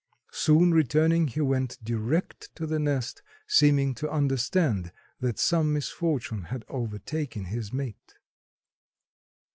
Soon returning he went direct to the nest, seeming to understand that some misfortune had overtaken his mate.